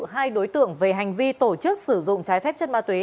hai đối tượng về hành vi tổ chức sử dụng trái phép chất ma túy